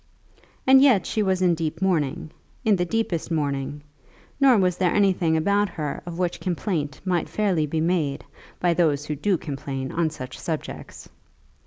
And yet she was in deep mourning, in the deepest mourning; nor was there anything about her of which complaint might fairly be made by those who do complain on such subjects.